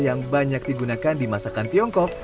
yang banyak digunakan di masakan tiongkok